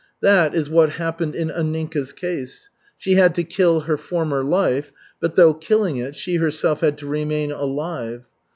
That is what happened in Anninka's case. She had to kill her former life, but though killing it, she herself had to remain alive.